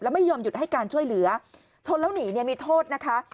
ไม่ยอมหยุดให้การช่วยเหลือชนแล้วหนีเนี่ยมีโทษนะคะ